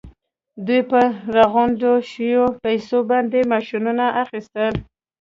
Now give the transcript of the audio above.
دوی په راغونډو شويو پیسو باندې ماشينونه واخيستل.